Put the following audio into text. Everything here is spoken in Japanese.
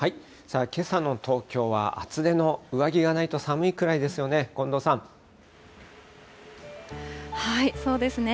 けさの東京は厚手の上着がないと寒いくらいですよね、近藤さそうですね。